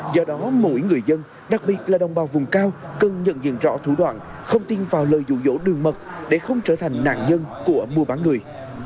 do đó mỗi người dân đặc biệt là đồng bào vùng cao cần nhận diện rõ thủ đoạn không tin vào lời dụ dỗ đường mật để không trở thành nạn nhân của mua bán người